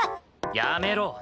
やめろ。